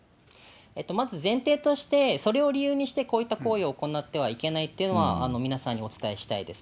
まず前提として、それを理由にしてこういった行為を行ってはいけないというのは、皆さんにお伝えしたいです。